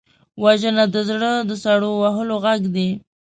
وژنه د زړه د سړو وهلو غږ دی